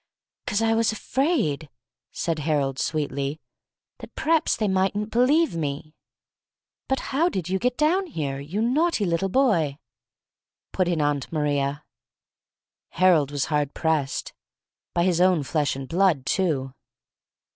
"'Cos I was afraid," said Harold, sweetly, "that p'raps they mightn't believe me!" "But how did you get down here, you naughty little boy?" put in Aunt Maria. Harold was hard pressed by his own flesh and blood, too!